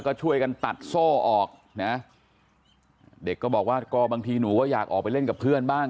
ก็ช่วยกันตัดโซ่ออกนะเด็กก็บอกว่าก็บางทีหนูก็อยากออกไปเล่นกับเพื่อนบ้าง